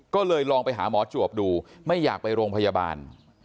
ก็เลยลองไปหาหมอจวบดูไม่อยากไปโรงพยาบาล